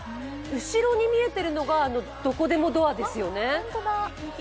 後ろに見えているのがどこでもドアですよね。